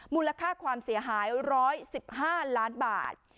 มูลค่าความเสียหาย๑๑๕ล้านบาท